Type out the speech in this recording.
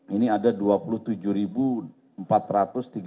ini ada dua orang